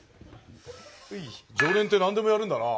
常連って何でもやるんだな。